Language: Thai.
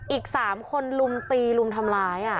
อีก๓คนลุมตีลุมทำร้าย